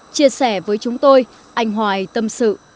chia sẻ với chúng tôi anh hoài tâm sự